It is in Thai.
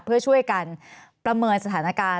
เพื่อช่วยกันประเมินสถานการณ์